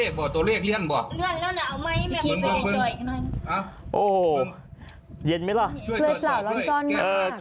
เครื่องกล่าวร้อนจ้อนมาก